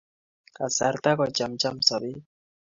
Kasarta kochamcham sobee.